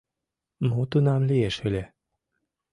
Мо тунам лиеш ыле?